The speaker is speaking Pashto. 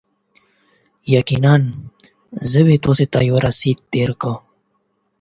یقینا، زه به تاسو ته یو رسید درکړم.